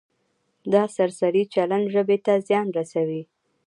دا سرسري چلند ژبې ته زیان رسوي.